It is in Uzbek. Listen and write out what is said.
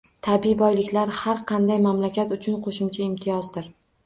Tabiiy boyliklar har qanday mamlakat uchun qo‘shimcha imtiyozdir.